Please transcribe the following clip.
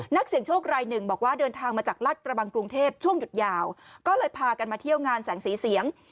นักเสี่ยงโชครายหนึ่งบอกว่าเดินทางมาจากรัฐกระบังกรุงเทพช่วงหยุดยาวก็เลยพากันมาเที่ยวงานแสงสีเสียง